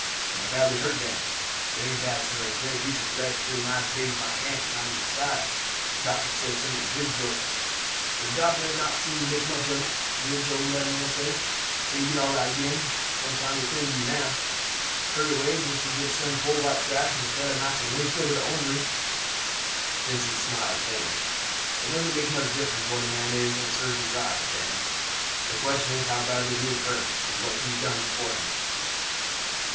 "Am I badly hurt, Dan?" "Berry bad, sah; great piece of flesh pretty nigh as big as my hand come out ob your side, and doctor says some of de ribs broken. But de doctor not seem to make much ob it; he hard sort ob man dat. Say you get all right again. No time to tend to you now. Hurry away just as if you some poor white trash instead of Massa Wingfield ob de Orangery." Vincent smiled faintly. "It doesn't make much difference what a man is in a surgeon's eyes, Dan; the question is how badly he is hurt, and what can be done for him?